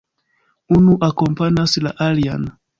Unu akompanas la alian.